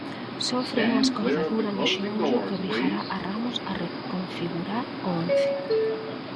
Sofre unha escordadura no xeonllo que obrigará a Ramos a reconfigurar o once.